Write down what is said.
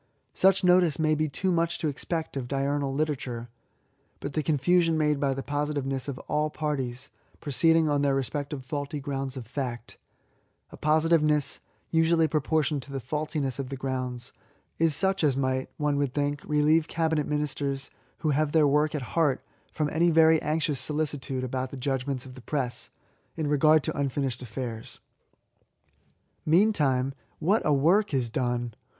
Such notice may be too much to expect of diurnal literature; but the confusion made by the positiveness of all parties, proceeding on their respective faulty grounds of fact — a posi tiveness usually proportioned to the faxdtiness of the grounds — is such as mighty one would think> relieve Cabinet Ministers who have their work at hearty from any very anxious solicitude about the judgments of the press, in regard to unfinished affairs. Meantime, what a work is done